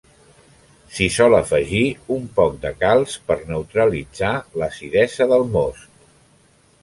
S'hi sol afegir un poc de calç per neutralitzar l'acidesa del most.